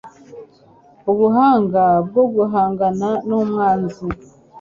Ubuhanga bwo guhangana n'umwanzi